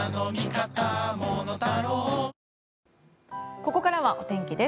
ここからはお天気です。